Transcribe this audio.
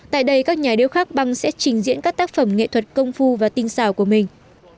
tại đây các nhà điêu khắc băng sẽ trình diễn các tác phẩm nghệ thuật công phu và tinh xào của mình